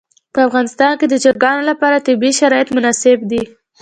په افغانستان کې د چرګان لپاره طبیعي شرایط مناسب دي.